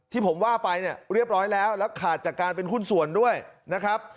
ที่ผมว่าไปเนี่ยเรียบร้อยแล้วแล้วขาดจากการเป็นหุ้นส่วนด้วยนะครับ